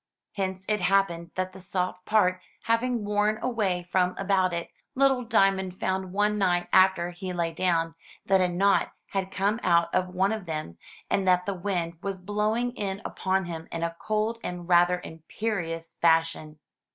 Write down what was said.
Hence it happened that the soft part having worn away from about it, little Diamond found one night, after he lay down, that a knot had come out of one of them, and that the wind was blowing in upon him in a cold and rather imperious fashion.